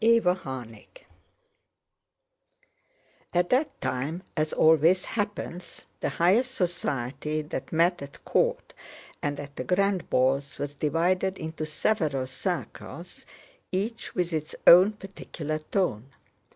CHAPTER IX At that time, as always happens, the highest society that met at court and at the grand balls was divided into several circles, each with its own particular tone.